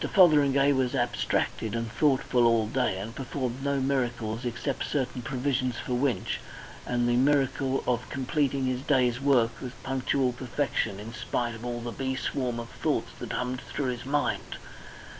Fotheringay was abstracted and thoughtful all that day, and performed no miracles except certain provisions for Winch, and the miracle of completing his day's work with punctual perfection in spite of all the bee swarm of thoughts that hummed through his mind.